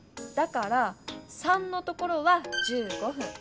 だから「３」のところは１５ふん。